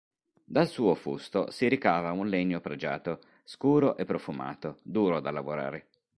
Dal suo fusto si ricava un legno pregiato, scuro e profumato, duro da lavorare.